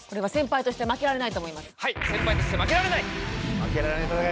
父として負けられない。